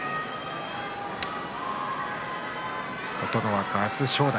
琴ノ若、明日正代。